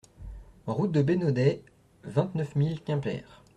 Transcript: Route de Bénodet, vingt-neuf mille Quimper